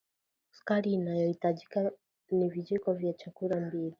Sukari inayohitajika nivijiko vya chakula mbili